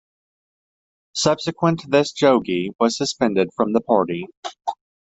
Subsequent to this Jogi was suspended from the party.